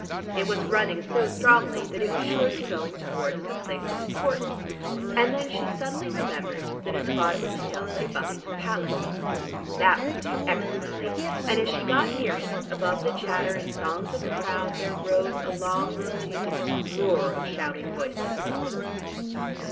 It was running so strongly that it was surely going towards some place of importance, and then she suddenly remembered that at the bottom of the hill lay Buckingham Palace. That would do excellently; and as she got near it, above the chatter and songs of the crowd there rose a long, continuous roar of shouting voices.